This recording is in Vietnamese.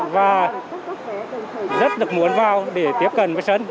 và rất được muốn vào để tiếp cận với sân